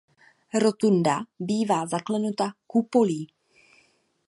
Rotunda bývá zaklenuta kupolí.